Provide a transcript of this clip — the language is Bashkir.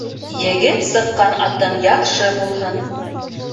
Егеп сыҡҡан атың яҡшы булһын